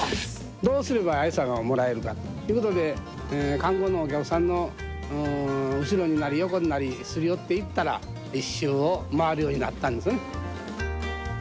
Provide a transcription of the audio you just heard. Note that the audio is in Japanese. どうすれば餌がもらえるかということで、観光のお客さんの後ろになり、横になり、すり寄っていったら、１周を回るようになったんですね。